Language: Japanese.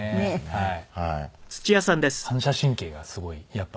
はい。